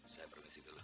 saya permisi dulu